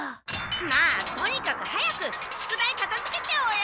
まあとにかく早く宿題かたづけちゃおうよ。